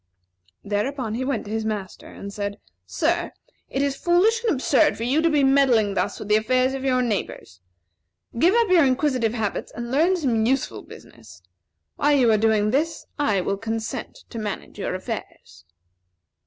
Thereupon he went to his master, and said: "Sir, it is foolish and absurd for you to be meddling thus with the affairs of your neighbors. Give up your inquisitive habits, and learn some useful business. While you are doing this, I will consent to manage your affairs."